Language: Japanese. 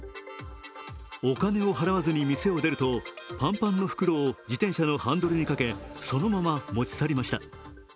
お金を払わずに店を出ると、パンパンの袋を自転車のハンドルにかけそのまま持ち去りました。